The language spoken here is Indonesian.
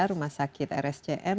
rumah sakit rsjm